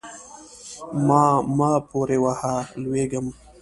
ما مه پورې وهه؛ لوېږم.